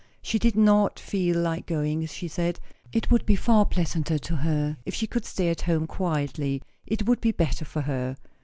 She did not feel like going, she said; it would be far pleasanter to her if she could stay at home quietly; it would be better for her.